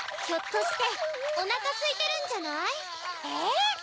ひょっとしておなかすいてるんじゃない？